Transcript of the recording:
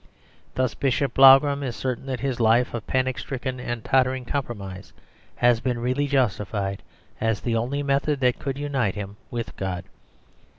Thus Bishop Blougram is certain that his life of panic stricken and tottering compromise has been really justified as the only method that could unite him with God.